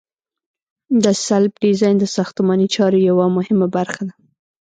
د سلب ډیزاین د ساختماني چارو یوه مهمه برخه ده